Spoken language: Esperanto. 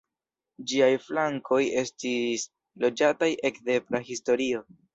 Ĝiaj flankoj estis loĝataj ekde prahistorio.